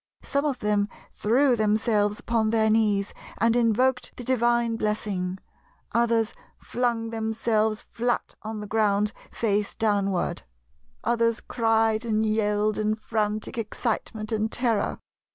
Some of them threw themselves upon their knees and invoked the Divine blessing; others flung themselves flat on the ground, face downward; others cried and yelled in frantic excitement and terror.